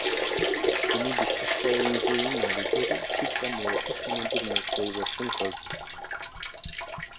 তিনি বিশ্বাস করেন যে নারীদের শিক্ষা মরোক্কো সমাজের মুখ পরিবর্তন করবে।